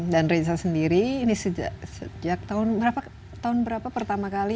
dan reza sendiri ini sejak tahun berapa pertama kali